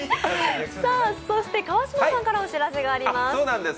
川嶋さんからお知らせがあります。